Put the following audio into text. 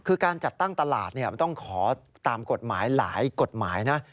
คือการจัดตั้งตลาดมันต้องขอตามกฎหมายหลายกฎหมายนะ